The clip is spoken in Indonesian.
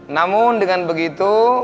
namun dengan begitu